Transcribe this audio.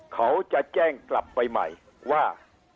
เขาจะแจ้งกลับไปใหม่ว่า